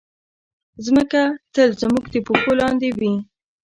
مځکه تل زموږ د پښو لاندې وي.